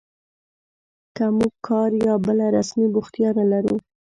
که موږ کار یا بله رسمي بوختیا نه لرو